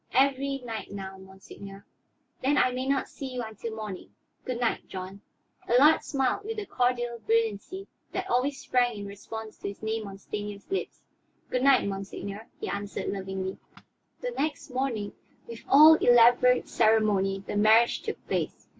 "Every night now, monseigneur." "Then I may not see you until morning. Good night, John." Allard smiled with the cordial brilliancy that always sprang in response to his name on Stanief's lips. "Good night, monseigneur," he answered lovingly. The next morning, with all elaborate ceremony, the marriage took place.